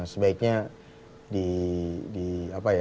sebaiknya di apa ya